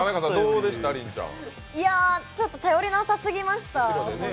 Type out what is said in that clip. ちょっと頼りなさすぎました。